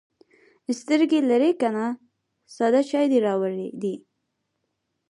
_سترګې لرې که نه، ساده چای دې راوړی دی.